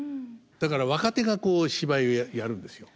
だから若手が芝居やるんですよ。